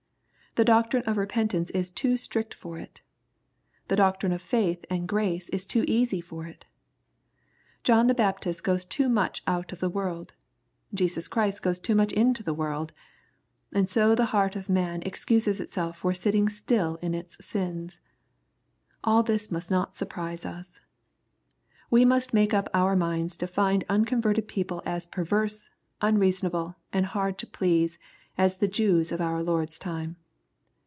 The doctrine of repentance is too strict for it I The doctrine of faith and grace is too easy for it ! John the Baptist goes too much out of the world 1 Jesus Christ goes too much into the world ! And so the heart of man excuses itself for sitting still in its sins. — AU this must not surprise us. We must make up our minds to find unconverted people as perverse, unreasonable, and hard to please as the Jews of our Lord's time.